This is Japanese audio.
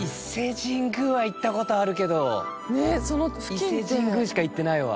伊勢神宮しか行ってないわ。